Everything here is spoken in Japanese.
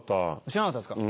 知らなかったですか？